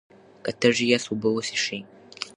که تږي یاست، اوبه وڅښئ.